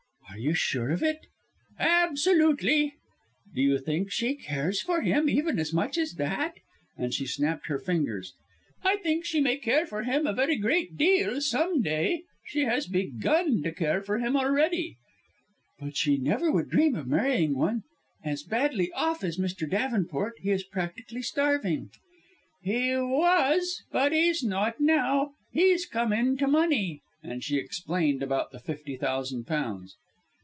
"Are you sure of it?" "Absolutely!" "Do you think she cares for him, even as much as that?" and she snapped her fingers. "I think she may care for him a very great deal some day she has begun to care for him already!" "But she would never dream of marrying any one as badly off as Mr. Davenport. He is practically starving." "He was but he's not now. He's come into money." And she explained about the fifty thousand pounds.